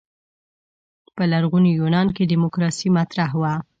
په لرغوني یونان کې دیموکراسي مطرح وه.